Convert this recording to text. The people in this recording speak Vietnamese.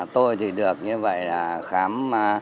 tôi thì được như vậy là khám